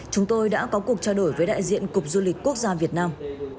chúng tôi đã có cuộc trao đổi với đại diện cục du lịch quốc gia việt nam